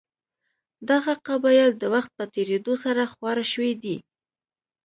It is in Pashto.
دغه قبایل د وخت په تېرېدو سره خواره شوي دي.